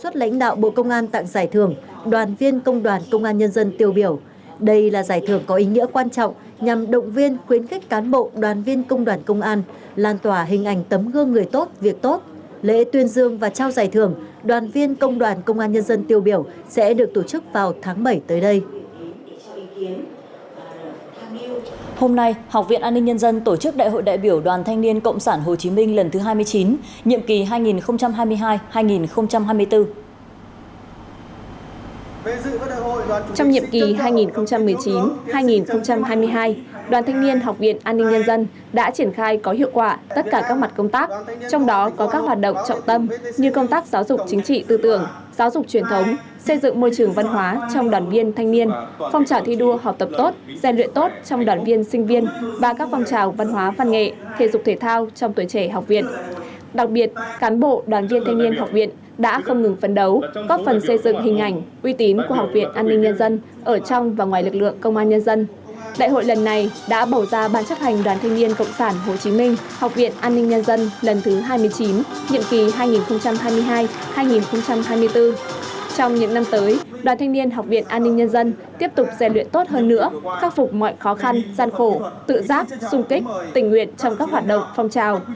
trong những năm tới đoàn thanh niên học viện an ninh nhân dân tiếp tục gian luyện tốt hơn nữa khắc phục mọi khó khăn gian khổ tự giác sung kích tình nguyện trong các hoạt động phong trào ra sức phấn đấu trở thành người chiến sĩ công an vừa hồng vừa chuyên như lời chủ tịch hồ chí minh cân dặn